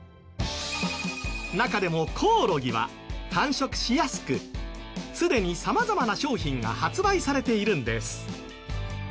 中でもコオロギは繁殖しやすくすでに様々な商品が発売されているんです。